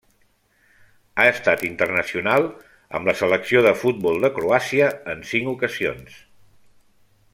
Ha estat internacional amb la selecció de futbol de Croàcia en cinc ocasions.